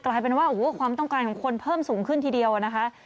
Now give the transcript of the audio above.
กลายเป็นว่าโอ้โหความต้องการของคนเพิ่มสูงขึ้นทีเดียวนะคะ